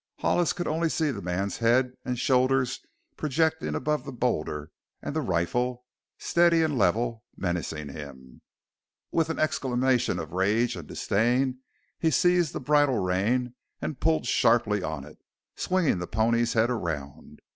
Hollis could see only the man's head and shoulders projecting above the boulder, and the rifle steady and level menacing him. With an exclamation of rage and disdain he seized the bridle rein and pulled sharply on it, swinging the pony's head around.